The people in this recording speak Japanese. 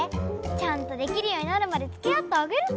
ちゃんとできるようになるまでつきあってあげるから。